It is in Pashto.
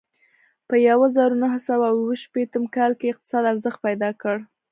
په یوه زرو نهه سوه اوه شپېتم کال کې یې اقتصاد ارزښت پیدا کړ.